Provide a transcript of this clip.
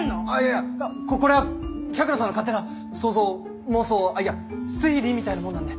いやこれは百野さんの勝手な想像妄想いや推理みたいなもんなんで。